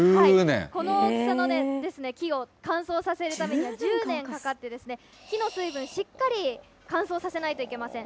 この大きさの木を乾燥させるためには１０年かかって、木の水分、しっかり乾燥させないといけません。